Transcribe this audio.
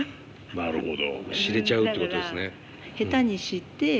なるほど。